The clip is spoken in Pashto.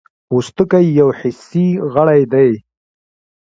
پوستکی یو حسي غړی دی.